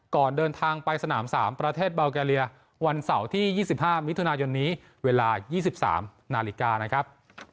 ก่อนเดินทางไปสนาม๓ประเทศเบาแกเลียวันเสาร์ที่๒๕มิถุนายนนี้เวลา๒๓นาฬิกานะครับ